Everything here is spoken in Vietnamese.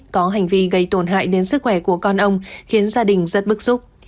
có hành vi gây tổn hại đến sức khỏe của con ông khiến gia đình rất bức xúc